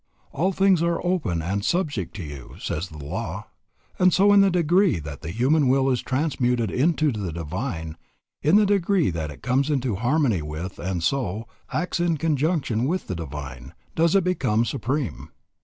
All things are open and subject to you, says the law, and so, in the degree that the human will is transmuted into the divine, in the degree that it comes into harmony with and so, acts in conjunction with the divine, does it become supreme.